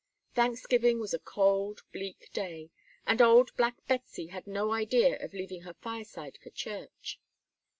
Thanksgiving was a cold, bleak day, and old black Betsey had no idea of leaving her fireside for church.